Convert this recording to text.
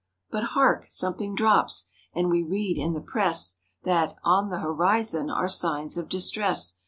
But hark! Something drops! and we read in the press That "On the horizon are signs of distress!"